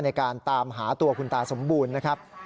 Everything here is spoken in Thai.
ในการตามหาตัวคุณตาสมบูรณ์นะครับ